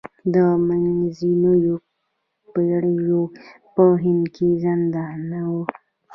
د منځنیو پېړیو په هند کې زندان نه و.